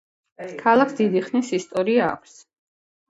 ქალაქს დიდი ხნის ისტორია აქვს.